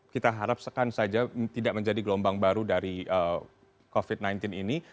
kita harap sekan saja tidak menjadi gelombang baru dari covid sembilan belas ini